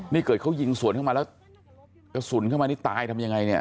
นี่เกิดเขายิงสวนเข้ามาแล้วกระสุนเข้ามานี่ตายทำยังไงเนี่ย